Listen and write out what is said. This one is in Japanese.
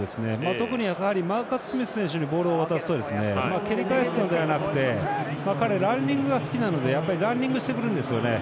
特に、マーカス・スミス選手にボールを渡すと蹴り返すのではなくて彼、ランニングが好きなのでランニングしてくるんですね。